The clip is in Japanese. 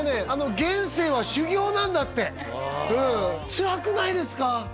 現世は修行なんだってつらくないですか？